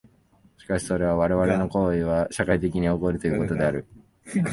しかしてそれは我々の行為は社会的に起こるということである。